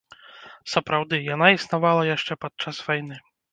Сапраўды, яна існавала яшчэ падчас вайны.